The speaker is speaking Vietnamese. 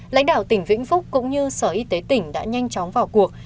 lãnh đạo tp vĩnh phúc cũng như sở y tế tp đã nhanh chóng vào cuộc